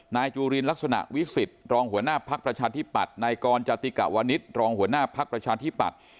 นายจุรินรักษณะวิสิตรองหัวหน้าพักประชาธิปัตย์นายกรจติกะวันนิตรองหัวหน้าพักประชาธิปัตย์